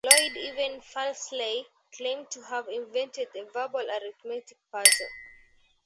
Loyd even falsely claimed to have invented the verbal arithmetic puzzle.